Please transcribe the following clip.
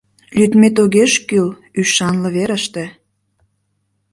Лӱдмет огеш кӱл, ӱшанле верыште.